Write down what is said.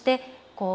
こう